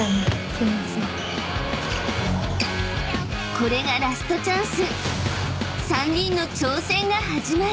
［これがラストチャンス］